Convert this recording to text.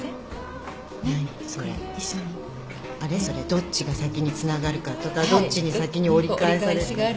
どっちが先につながるかとかどっちに先に折り返されるかとかって？